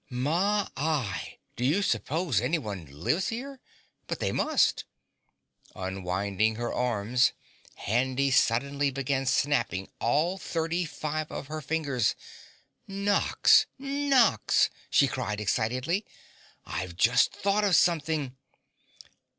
My y, do you suppose anyone lives here? But they must " Unwinding her arms, Handy suddenly began snapping all thirty five of her fingers. "Nox, Nox!" she cried excitedly. "I've just thought of something!"